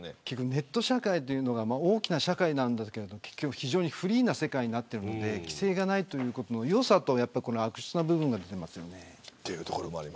ネット社会は大きな社会なんですが非常にフリーな世界になってるので規制がないということの良さと悪質な部分がありますね。